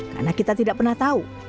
karena kita tidak pernah tahu